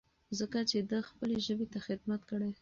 ځکه چې ده خپلې ژبې ته خدمت کړی.